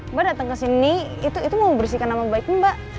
mbak dateng kesini itu mau bersihkan nama baiknya mbak